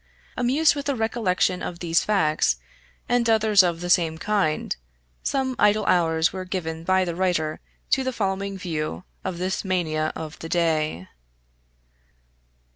Amused with the recollection of these facts, and others of the same kind, some idle hours were given by the writer to the following view of this mania of the day.